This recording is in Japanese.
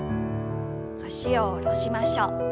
脚を下ろしましょう。